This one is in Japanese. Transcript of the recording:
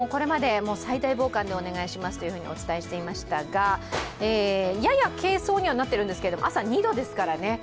服装なんですけれどもこれまで最大防寒でお願いしますとお伝えしていましたがやや軽装にはなっているんですが、朝２度ですからね。